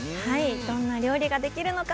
どんな料理ができるのか